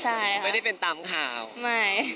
ใช่ค่ะไม่ได้เป็นตามข่าวไม่